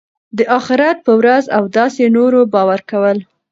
د آخرت په ورځ او داسي نورو باور کول .